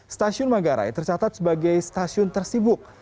stasiun manggarai tercatat sebagai stasiun tersibuk